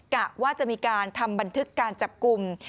กะว่าจะมีการทำบันทึกการจับกลุ่ม